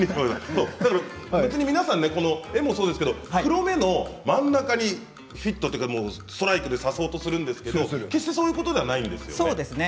この絵もそうですけれども黒目の真ん中にストライクでさそうとするんですけれども決して、そういうことではないんですね。